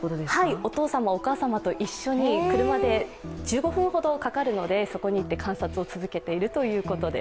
お父様、お母様と一緒に、車で１５分ほどかかるのでそこに行って観察を続けているということです。